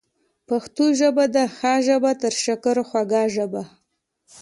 پښتو ژبه ده ښه ژبه، تر شکرو خوږه ژبه